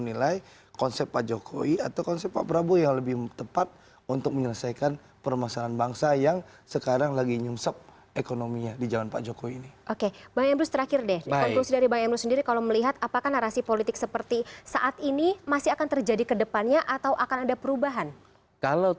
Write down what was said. iya supaya masyarakat sudah tahu